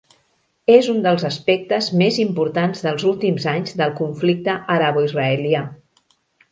És un dels aspectes més importants dels últims anys del conflicte araboisraelià.